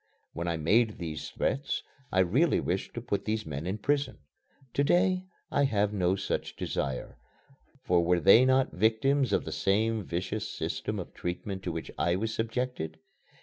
When I made these threats, I really wished to put these men in prison. To day I have no such desire, for were they not victims of the same vicious system of treatment to which I was subjected?